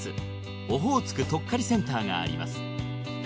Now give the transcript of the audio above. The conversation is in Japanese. オホーツクとっかりセンターがあります